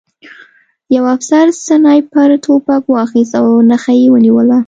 یوه افسر سنایپر توپک واخیست او نښه یې ونیوله